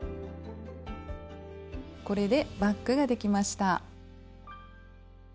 これでバッグができました。